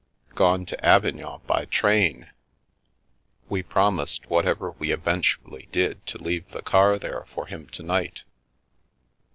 " Gone to Avignon by train. We promised whatever we eventually did to leave the car there for him to night.